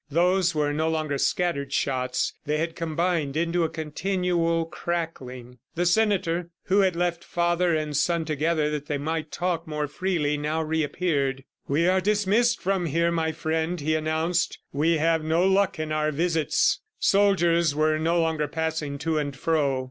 Those were no longer scattered shots; they had combined into a continual crackling. The senator, who had left father and son together that they might talk more freely, now reappeared. "We are dismissed from here, my friend," he announced. "We have no luck in our visits." Soldiers were no longer passing to and fro.